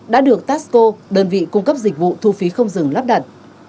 đã được taxco đơn vị cung cấp dịch vụ thu phí không dừng lắp đặt